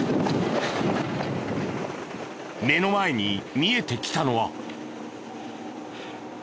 目の前に見えてきたのは。